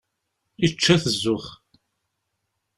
Yečča-t zzux.